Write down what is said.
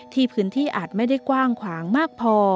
พื้นที่อาจไม่ได้กว้างขวางมากพอ